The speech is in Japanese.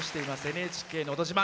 「ＮＨＫのど自慢」。